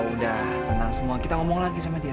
yaudah tenang semua kita ngomong lagi sama dia